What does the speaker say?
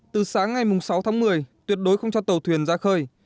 từ sáng ngày sáu tháng một mươi tuyệt đối không cho tàu thuyền ra khơi